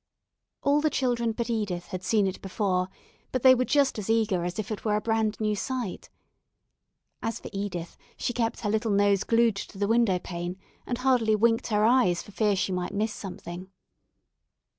All the children but Edith had seen it before, but they were just as eager as if it were a brand new sight. As for Edith, she kept her little nose glued to the window pane, and hardly winked her eyes for fear she might miss something.